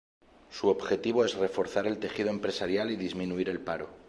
Su objetivo es reforzar el tejido empresarial y disminuir el paro.